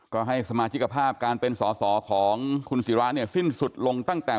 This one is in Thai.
ก็ให้สมาชิกภาพการเป็นสอสอของคุณศิราเนี่ยสิ้นสุดลงตั้งแต่